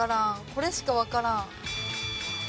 これしかわからん。